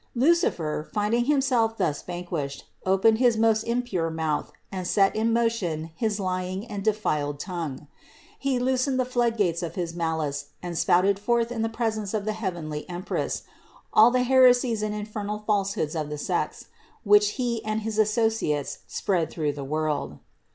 361. Lucifer, finding himself thus vanquished, opened his most impure mouth and set in motion his lying and defiled tongue. He loosened the floodgates of his malice and spouted forth in the presence of the heavenly Empress all the heresies and infernal falsehoods of the sects, which he and his associates spread through the world.